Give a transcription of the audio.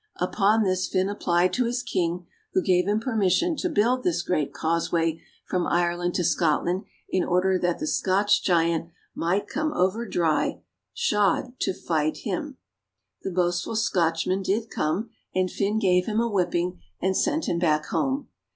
Upon this Fin applied to his king, who gave him permission to build this great causeway from Ireland to Scotland in order that the Scotch giant might come over dry shod to fight CENTRAL AND NORTHERN IRELAND. 31 "— the famed Giant's Causeway." him. The boastful Scotchman did come, and Fin gave him a whipping and sent him back home.